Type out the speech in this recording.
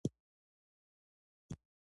زه او جنرال روم ته ولاړو.